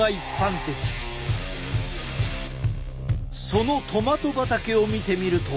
そのトマト畑を見てみると。